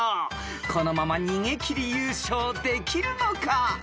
［このまま逃げ切り優勝できるのか？］